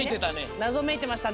なぞめいてましたね。